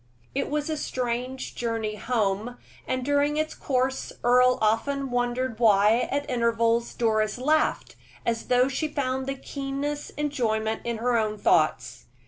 It was a strange journey home, and during its course Earle often wondered why, at intervals, Doris laughed, as though she found the keenest enjoyment in her own thoughts.